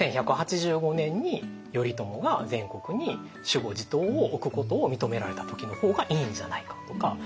１１８５年に頼朝が全国に守護地頭を置くことを認められた時の方がいいんじゃないかとか。